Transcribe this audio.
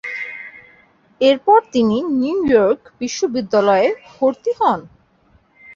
এরপর তিনি New York বিশ্ববিদ্যালয়ে ভর্তি হন।